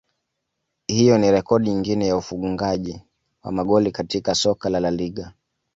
Hiyo ni rekodi nyingine ya ufungaji wa magoli katika soka la LaLiga